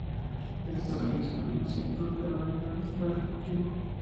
De estos seleccionaron cientos de variedades para el cultivo.